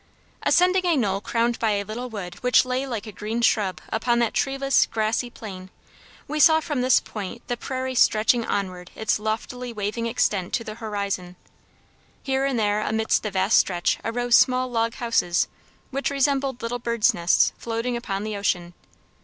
Ascending a knoll crowned by a little wood which lay like a green shrub upon that treeless, grassy plain, we saw from this point the prairie stretching onward its loftily waving extent to the horizon. Here and there amidst the vast stretch arose small log houses, which resembled little birds' nests floating upon the ocean.